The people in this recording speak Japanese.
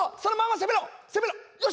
攻めろ！